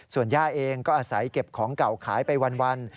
ส่วนย่าเองก็อาศัยเก็บของเก่าขายไปวัน